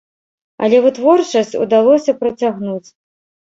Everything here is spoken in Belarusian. Але вытворчасць удалося працягнуць.